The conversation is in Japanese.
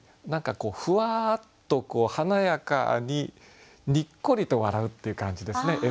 何かこうふわっと華やかににっこりと笑うっていう感じですね。